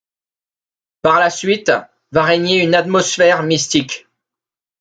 Par la suite, va régner une atmosphère mystique.